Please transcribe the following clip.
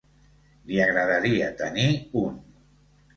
Li agradaria tenir un.